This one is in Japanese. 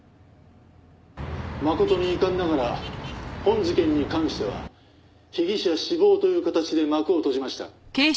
「誠に遺憾ながら本事件に関しては被疑者死亡という形で幕を閉じました」